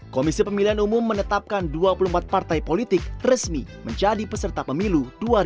komisi pemilihan umum menetapkan dua puluh empat partai politik resmi menjadi peserta pemilu dua ribu dua puluh